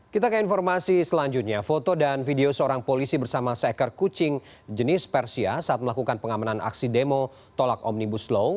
kita ke informasi selanjutnya foto dan video seorang polisi bersama seekor kucing jenis persia saat melakukan pengamanan aksi demo tolak omnibus law